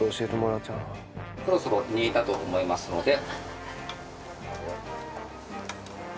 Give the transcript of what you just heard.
そろそろ煮えたと思いますので。